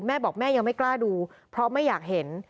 แม่บอกแม่ยังไม่กล้าดูเพราะไม่อยากเห็น